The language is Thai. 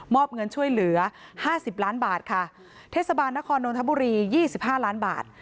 อบเงินช่วยเหลือห้าสิบล้านบาทค่ะเทศบาลนครนนทบุรียี่สิบห้าล้านบาท